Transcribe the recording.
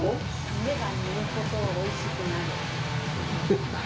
煮れば煮るほどおいしくなる。